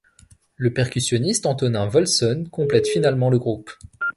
Le percussionniste Antonin Volson complète finalement le groupe.